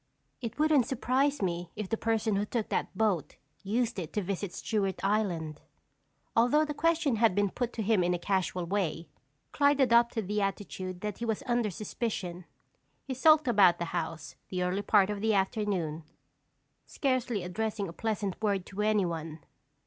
"It wouldn't surprise me if the person who took that boat used it to visit Stewart Island." Although the question had been put to him in a casual way, Clyde adopted the attitude that he was under suspicion. He sulked about the house the early part of the afternoon, scarcely addressing a pleasant word to anyone.